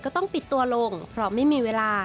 ต้องปิดตัวลงเพราะไม่มีเวลา